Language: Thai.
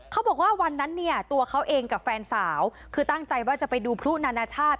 เขาบอกว่าวันนั้นเนี่ยตัวเขาเองกับแฟนสาวคือตั้งใจว่าจะไปดูพลุนานาชาติ